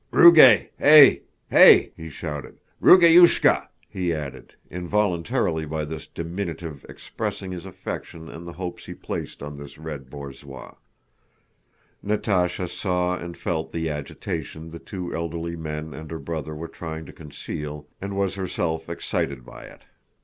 "Rugáy, hey, hey!" he shouted. "Rugáyushka!" he added, involuntarily by this diminutive expressing his affection and the hopes he placed on this red borzoi. Natásha saw and felt the agitation the two elderly men and her brother were trying to conceal, and was herself excited by it.